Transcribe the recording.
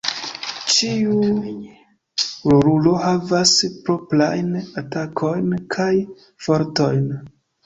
Ĉiu rolulo havas proprajn atakojn kaj fortojn.